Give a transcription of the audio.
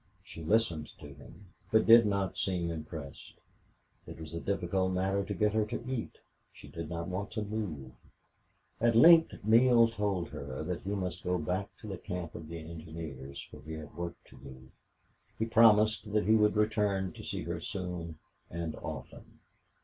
She listened to him, but did not seem impressed. It was a difficult matter to get her to eat. She did not want to move. At length Neale told her that he must go back to the camp of the engineers, where he had work to do; he promised that he would return to see her soon and often.